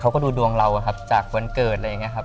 เขาก็ดูดวงเราจากวันเกิด